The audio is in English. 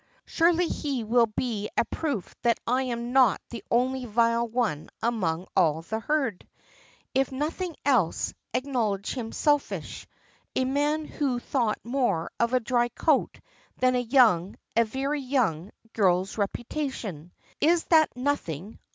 Surely he will be a proof that I am not the only vile one among all the herd. If nothing else, acknowledge him selfish. A man who thought more of a dry coat than a young, a very young, girl's reputation. Is that nothing?